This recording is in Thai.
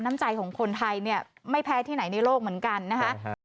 น้ำใจของคนไทยเนี่ยไม่แพ้ที่ไหนในโลกเหมือนกันนะคะ